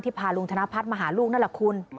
พาลุงธนพัฒน์มาหาลูกนั่นแหละคุณ